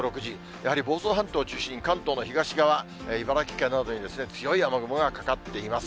やはり房総半島を中心に、関東の東側、茨城県などに強い雨雲がかかっています。